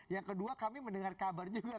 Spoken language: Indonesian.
yang kedua kami mendengar kabar juga